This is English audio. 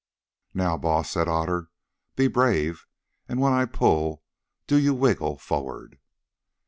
"Now, Baas," said Otter, "be brave, and when I pull, do you wriggle forward."